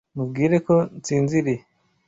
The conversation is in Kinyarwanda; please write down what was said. Mubwire ko nsinziriye.